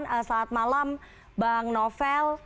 selamat malam bang novel